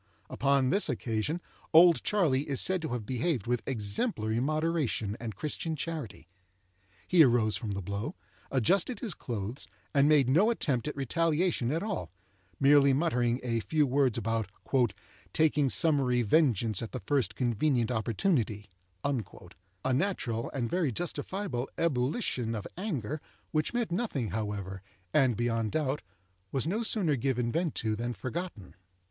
Upon this occasion "Old Charley" is said to have behaved with exemplary moderation and Christian charity. He arose from the blow, adjusted his clothes, and made no attempt at retaliation at all—merely muttering a few words about "taking summary vengeance at the first convenient opportunity,"—a natural and very justifiable ebullition of anger, which meant nothing, however, and, beyond doubt, was no sooner given vent to than forgotten.